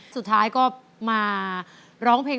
สุดท้ายก็มาร้องเพลง